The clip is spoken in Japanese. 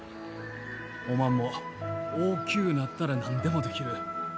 おまんも大きゅうなったら何でもできる。